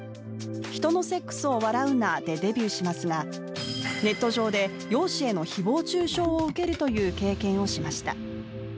「人のセックスを笑うな」でデビューしますが、ネット上で、容姿への誹謗中傷を受けるという経験をしました。